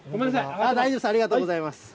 大丈夫です、ありがとうございます。